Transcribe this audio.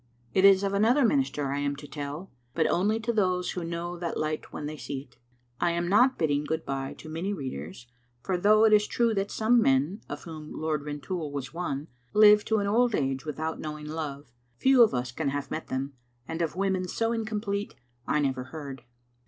It is of another minister I am to tell, but only to those who know that light when they see it. I am not bid ding good bye to many readers, for though it is true that some men, of whom Lord Rintoul was one, live to an old age without knowing love, few of us can have met them, and of women so incomplete I never heard.